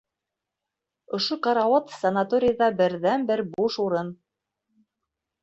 Ошо карауат санаторийҙа берҙән-бер буш урын!